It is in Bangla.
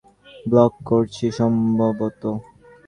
আমরা সম্ভবত তার চেয়ে বেশি কিছু ব্লক করছি।